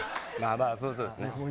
まあそりゃそうですね。